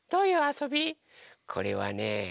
これはね